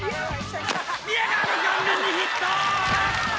宮川の顔面にヒット！